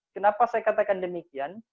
kenapa saya katakan demikian